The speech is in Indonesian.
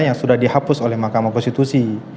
yang sudah dihapus oleh mahkamah konstitusi